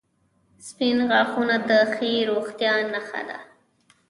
• سپین غاښونه د ښې روغتیا نښه ده.